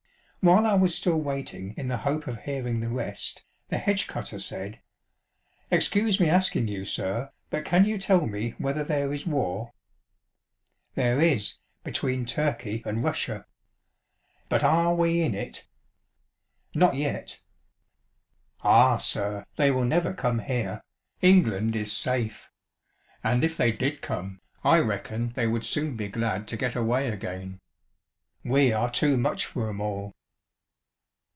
While I was still waiting in the hope of hearing the rest, the hedge cutter said, " Excuse me asking you, sir, but can you tell me whether there is war ?"" There is, between Turkey and Russia." 74 Field Paths and G^^een Lanes. ch, vi. " But are we in it ?"" Not yet." " Ah, sir, they will never come here ŌĆö England is safe. And if they did come, I reckon they would soon be glad to get away again. We are too much for 'em all."